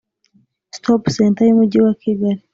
stop center y Umujyi wa Kigali